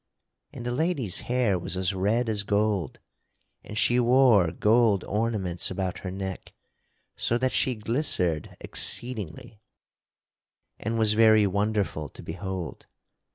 And the lady's hair was as red as gold, and she wore gold ornaments about her neck so that she glistered exceedingly and was very wonderful to behold.